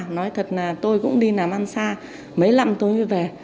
nói thật là tôi cũng đi nằm ăn xa mấy lăm tôi mới về